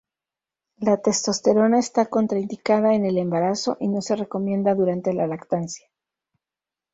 La testosterona está contraindicada en el embarazo y no se recomienda durante la lactancia.